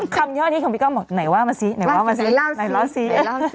คำย่อนี้ของพี่ก้องบอกไหนว่ามาซิไหนว่ามาซิไหนเล่าซิ